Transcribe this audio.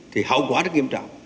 thì hậu quả rất nghiêm trọng